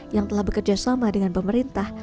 yang telah bekerja sama dengan pemerintah